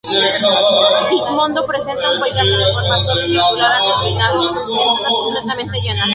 Quismondo presenta un paisaje de formas suaves y onduladas combinado con zonas completamente llanas.